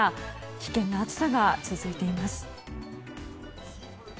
危険な暑さが続いています。